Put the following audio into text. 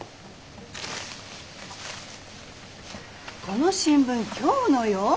この新聞今日のよ。